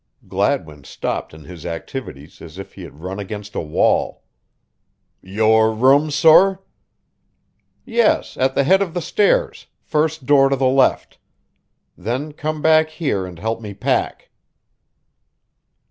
Gladwin stopped in his activities as if he had run against a wall. "Your room, sorr?" "Yes, at the head of the stairs, first door to the left. Then come back here and help me pack."